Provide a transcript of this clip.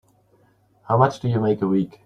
How much do you make a week?